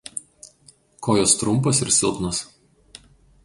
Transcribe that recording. Kojos trumpos ir silpnos.